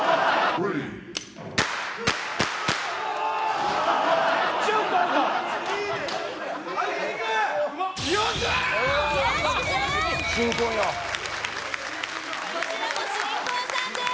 こちらも新婚さんです